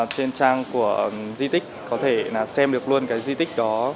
trên trang của di tích có thể xem được luôn cái di tích đó